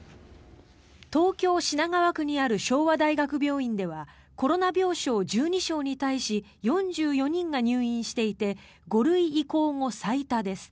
東京・品川区にある昭和大学病院ではコロナ病床１２床に対し４４人が入院していて５類移行後最多です。